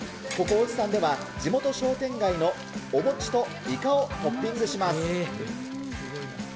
ここ、越智さんでは、地元商店街のお餅とイカをトッピングします。